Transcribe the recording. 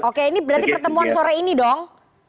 oke ini berarti pertemuan sore ini dong